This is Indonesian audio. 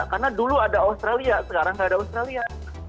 karena dulu ada australia sekarang tidak ada australia